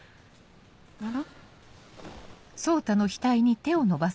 あら？